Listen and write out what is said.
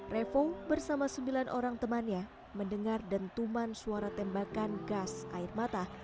revo bersama sembilan orang temannya mendengar dentuman suara tembakan gas air mata